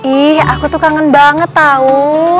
ih aku tuh kangen banget tau